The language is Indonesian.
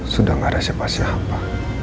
sudah gak ada siapa siapa